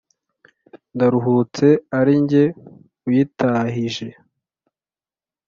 Ndaruhutse ari jye uyitahije.